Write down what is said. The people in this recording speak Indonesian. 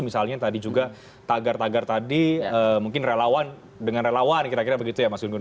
misalnya tadi juga tagar tagar tadi mungkin relawan dengan relawan kira kira begitu ya mas gun gun